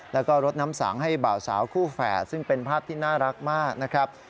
แล้วก็รดน้ำสังให้เบาสาวคู่แฝดซึ่งเป็นภาพที่น่ารักมากนะครับ